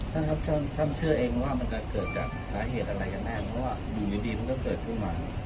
ท่านครับท่านเชื่อเองว่ามันจะเกิดจากสาเหตุอะไรกันแน่เพราะว่าอยู่ดีมันก็เกิดขึ้นมา